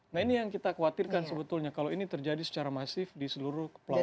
nah ini yang kita khawatirkan sebetulnya kalau ini terjadi secara masif di seluruh kepulauan